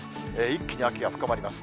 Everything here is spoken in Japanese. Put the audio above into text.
一気に秋が深まります。